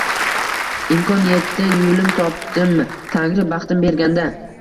Imkon etdi yulim topdim Tangri baxtim berganda